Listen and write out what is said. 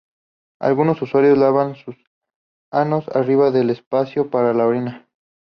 Algunos usuarios lavan sus anos arriba del espacio para la orina.